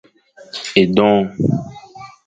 Edong.